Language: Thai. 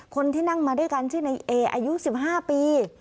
คนที่นั่งมาด้วยกันชื่อในเออายุ๑๕ปี